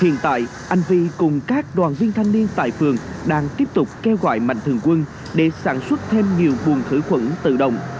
hiện tại anh vi cùng các đoàn viên thanh niên tại phường đang tiếp tục kêu gọi mạnh thường quân để sản xuất thêm nhiều buồn khử khuẩn tự động